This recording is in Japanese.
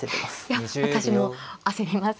いや私も焦ります。